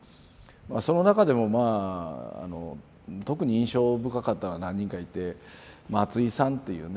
その中でもまあ特に印象深かったのが何人かいて松井さんっていうね